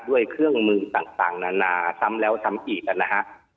ด้วยเครื่องมือต่างนานาซ้ำแล้วซ้ำอีกนะฮะ